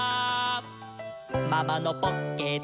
「ママのポッケだ」